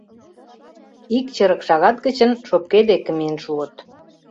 Ик чырык шагат гычын шопке деке миен шуыт.